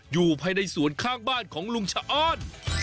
อยู่ภายในสวนข้างบ้านของลุงชะอ้อน